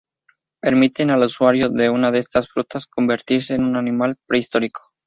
Permiten al usuario de una de estas frutas convertirse en un animal prehistórico.